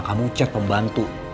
kamu cek pembantu